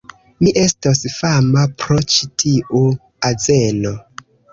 Mi estos fama pro ĉi tiu azeno!